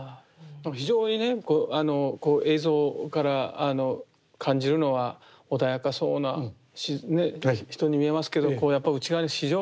非常にね映像から感じるのは穏やかそうな人に見えますけどこうやっぱ内側に非常にたぎるような。